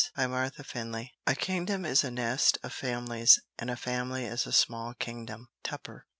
CHAPTER III. "A kingdom is a nest of families, and a family is a small kingdom."